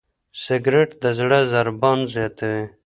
سګریټ د زړه ضربان زیاتوي.